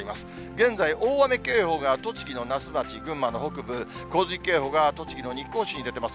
現在、大雨警報が栃木の那須町、群馬の北部、洪水警報が栃木の日光市に出ています。